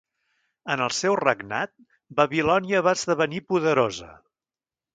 En el seu regnat Babilònia va esdevenir poderosa.